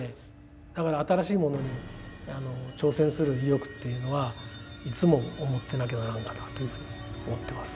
だから新しいものに挑戦する意欲っていうのはいつも思ってなきゃならんかなというふうに思ってます。